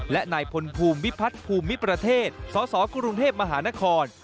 และนายพลภูมิวิพัฒน์ภูมิประเทศสสกรุงเทพมหานคร